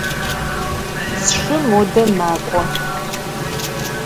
Sşşı mode mak'o.